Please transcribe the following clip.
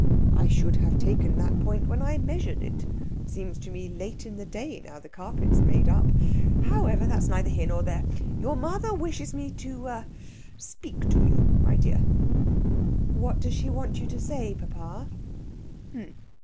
"I should have taken that point when I measured it. It seems to me late in the day now the carpet's made up. However, that's neither here nor there. Your mother wishes me to a to speak to you, my dear." "What does she want you to say, papa?"